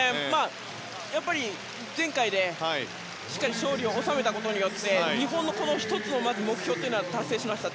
やっぱり、前回でしっかり勝利を収めたことにより日本の１つの目標は達成できました。